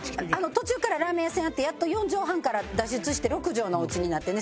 途中からラーメン屋さんやってやっと４畳半から脱出して６畳のお家になってね。